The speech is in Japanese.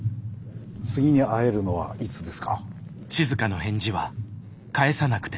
次に会えるのはいつですか？